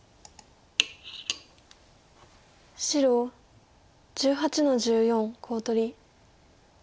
白１８の十四コウ取り。